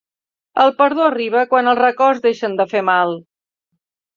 El perdó arriba quan els records deixen de fer mal.